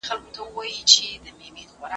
ولي هڅاند سړی د مخکښ سړي په پرتله هدف ترلاسه کوي؟